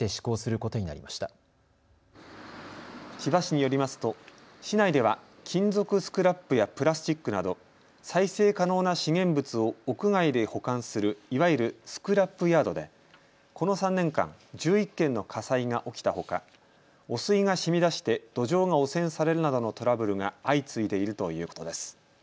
千葉市によりますと市内では金属スクラップやプラスチックなど再生可能な資源物を屋外で保管する、いわゆるスクラップヤードでこの３年間、１１件の火災が起きたほか汚水がしみ出して土壌が汚染されるなどのトラブルが相次いでいるということです。